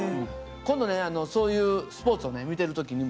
今度ねそういうスポーツを見てる時にもですね